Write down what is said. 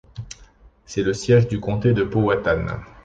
C’est le siège du comté de Powhatan.